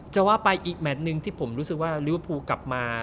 จะว่าไปอีกแมทหนึ่งที่ผมรู้สึกว่าลิเวอร์พูลกลับมา